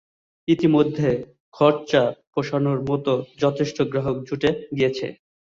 ইতোমধ্যেই খরচা পোষাবার মত যথেষ্ট গ্রাহক জুটে গিয়েছে।